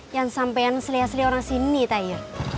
yang sampein selia selia orang sini tayo